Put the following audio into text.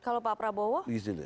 kalau pak prabowo